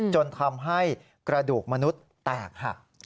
จนทำให้กระดูกมนุษย์แตกหัก